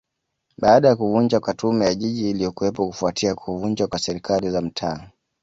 Baada ya kuvunjwa kwa Tume ya Jiji iliyokuwepo kufuatia kuvunjwa kwa Serikali za Mitaa